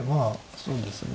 そうですね。